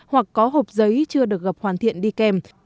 hoặc có hộp giấy chưa được gặp hoàn thiện đi kèm